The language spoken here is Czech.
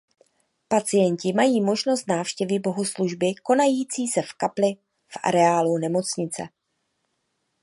Pacienti mají možnost návštěvy bohoslužby konající se v kapli v areálu nemocnice.